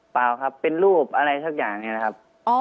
เปล่าครับเป็นรูปอะไรสักอย่างนี้นะครับ